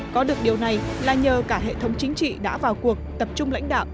có được điều này là nhờ cả hệ thống chính trị đã vào cuộc tập trung lãnh đạo